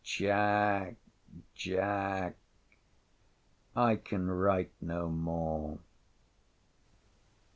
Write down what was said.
Jack! Jack! I can write no more!